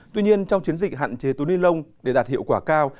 tuy nhiên trong chiến dịch hạn chế túi ni lông để đạt hiệu quả cao